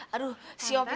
aduh si opi